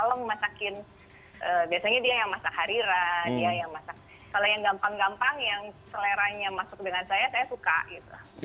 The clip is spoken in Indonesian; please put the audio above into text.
tolong masakin biasanya dia yang masak harira dia yang masak kalau yang gampang gampang yang seleranya masuk dengan saya saya suka gitu